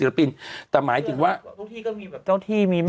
แต่หมายถึงว่าเจ้าทรงทำงานอยู่ที่ที่ก็มีเหลือแบบ